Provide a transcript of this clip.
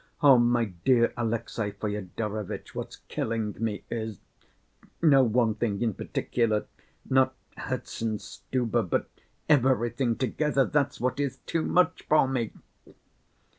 Oh, my dear Alexey Fyodorovitch, what's killing me is no one thing in particular, not Herzenstube, but everything together, that's what is too much for me."